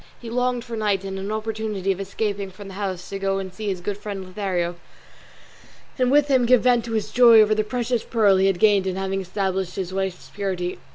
He longed for night and an opportunity of escaping from the house to go and see his good friend Lothario, and with him give vent to his joy over the precious pearl he had gained in having established his wife's purity.